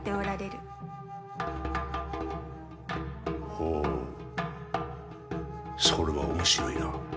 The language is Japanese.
ほうそれは面白いな。